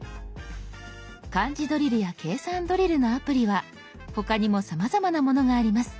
「漢字ドリル」や「計算ドリル」のアプリは他にもさまざまなものがあります。